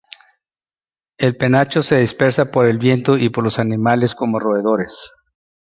El penacho se dispersa por el viento y por los animales como roedores.